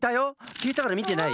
きえたからみてない？